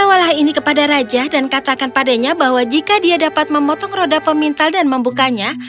bawalah ini kepada raja dan katakan padanya bahwa jika dia dapat memotong roda pemintal dan membukanya